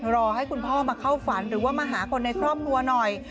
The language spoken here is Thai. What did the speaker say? รอให้คุณพ่อมาเข้าฝันหรือว่ามาหาคนในครอบครัวหน่อย